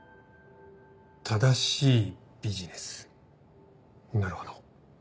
正しいビジネスなるほど。